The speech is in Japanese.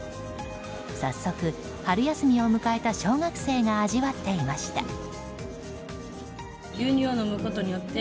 早速、春休みを迎えた小学生が味わっていました。